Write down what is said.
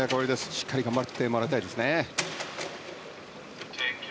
しっかり頑張ってもらいたいですね。